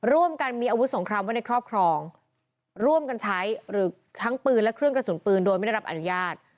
ร่วมการมีอาวุธสงครามไว้ในครอบครองทั้งปืนและเครื่องกระสุนปืนโดยไม่ได้รับอนุญาต